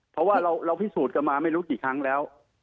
เพราะว่าเราพิสูจน์กันมาไม่รู้กี่ครั้งแล้ว